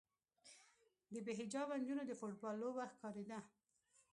د بې حجابه نجونو د فوټبال لوبه ښکارېده.